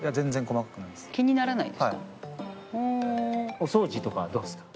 お掃除とかはどうですか？